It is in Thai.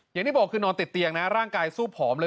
อย่างที่บอกคือนอนติดเตียงนะร่างกายสู้ผอมเลย